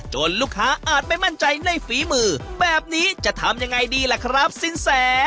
ลูกค้าอาจไม่มั่นใจในฝีมือแบบนี้จะทำยังไงดีล่ะครับสินแส